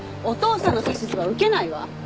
お父さんの指図は受けないわ。